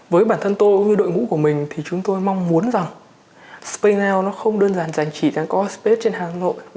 với bản thân tôi với đội ngũ của mình thì chúng tôi mong muốn rằng spaynow nó không đơn giản dành chỉ đến core space trên hà nội